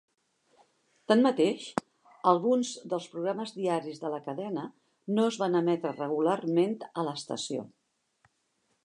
Tanmateix, alguns dels programes diaris de la cadena no es van emetre regularment a l'estació.